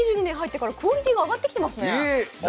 ２０２２年入ってからクオリティーが上がってきてますね。